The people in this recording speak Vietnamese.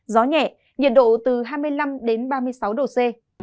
gió nhẹ nhiệt độ từ hai mươi năm ba mươi sáu độ c